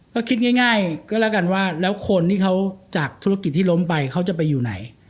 ก็คิดง่ายก็แล้วกันว่าแล้วคนที่เขาจากธุรกิจที่ล้มไปเขาจะไปอยู่ไหน